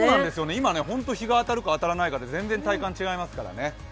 今、本当に日が当たるか当たらないかで全然体感違いますからね。